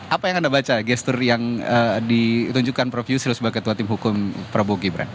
apa yang anda baca gestur yang ditunjukkan prof yusril sebagai ketua tim hukum prabowo gibran